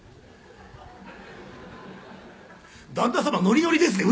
「旦那様ノリノリですね。